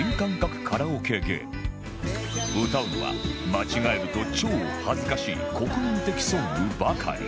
歌うのは間違えると超恥ずかしい国民的ソングばかり